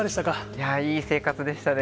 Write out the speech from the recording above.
いやー、いい生活でしたね。